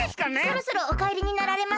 そろそろおかえりになられますか？